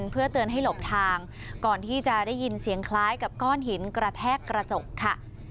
เพื่อเตือนให้หลบทางก่อนที่จะได้ยินเสียงคล้ายกับก้อนหินกระแทกกระจกค่ะ